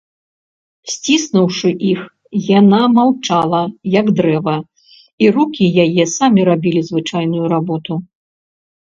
Сціснуўшы іх, яна маўчала, як дрэва, і рукі яе самі рабілі звычайную работу.